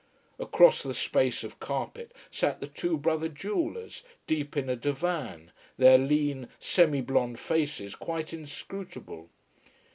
Across the space of carpet sat the two brother jewellers, deep in a divan, their lean, semi blond faces quite inscrutable.